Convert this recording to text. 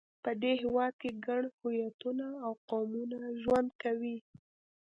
په دې هېواد کې ګڼ هویتونه او قومونه ژوند کوي.